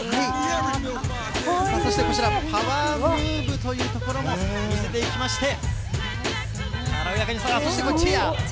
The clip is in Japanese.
そして、こちらパワームーブというところも見せていきまして、軽やかに、さあ、これ、チェアー。